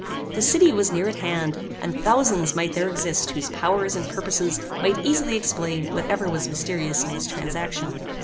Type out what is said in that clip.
The city was near at hand, and thousands might there exist whose powers and purposes might easily explain whatever was mysterious in this transaction.